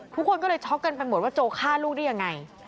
ทุกคนก็เลยช็อกกันไปหมดว่าโจฆ่าลูกได้ยังไง